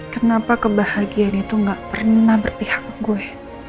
kenapa kebahagiaan itu gak pernah berpihak ke gue